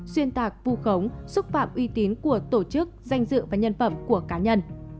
xuyên tạc vù khống xúc phạm uy tín của tổ chức danh dự và nhân phẩm của cá nhân